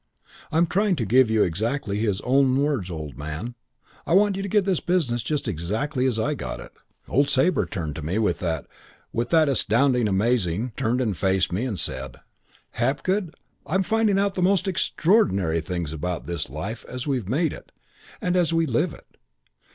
"I'm trying to give you exactly his own words, old man. I want you to get this business just exactly as I got it. Old Sabre turned to me with that with that 'astounding, amazing' turned and faced me and said: "'Hapgood, I'm finding out the most extraordinary things about this life as we've made it and as we live it.